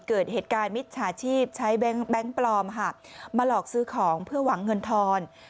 เกิดเหตุการณ์มิจฉาชีพใช้แบงค์ปลอมมาหลอกซื้อของเพื่อหวังเงินทอน